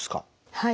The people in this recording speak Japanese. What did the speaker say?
はい。